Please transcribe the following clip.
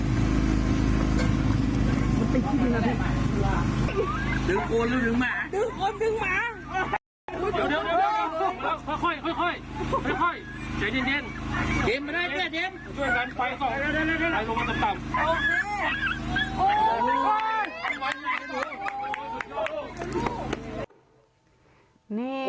ช่วยกันไปต้มใจโดนก์ด้านทางนี้